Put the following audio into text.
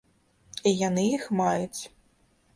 І яны іх маюць.